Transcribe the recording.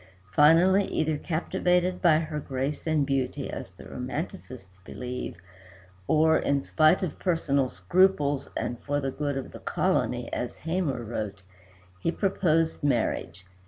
Finally, either captivated by her grace and beauty as the romancists believe, or in spite of personal scruples and "for the good of the colony," as Hamor wrote, he proposed marriage.